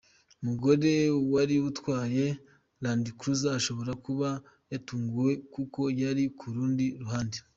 Umugore wari utwaye Land Cruiser ashobora kuba yatunguwe kuko yari ku rundi ruhande.